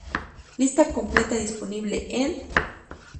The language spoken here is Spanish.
Lista completa disponible en